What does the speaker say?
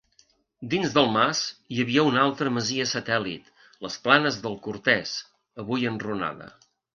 Dins del mas hi havia una altra masia satèl·lit, les Planes del Cortès, avui enrunada.